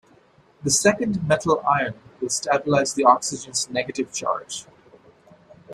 The second metal ion will stabilize the oxygen's negative charge.